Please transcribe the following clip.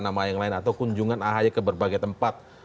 nama yang lain atau kunjungan ahy ke berbagai tempat